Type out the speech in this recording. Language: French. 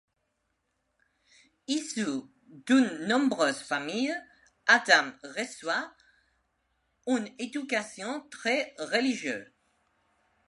Issu d’une nombreuse famille, Adam reçoit une éducation très religieuse.